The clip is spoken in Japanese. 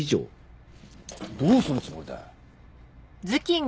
どうするつもりだ？